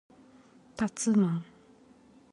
たつまん